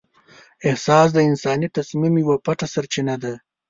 احساس د انساني تصمیم یوه پټه سرچینه ده.